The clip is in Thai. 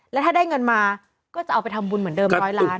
แล้วถ้าได้เงินมาก็จะเอาไปทำบุญเหมือนเดิมร้อยล้าน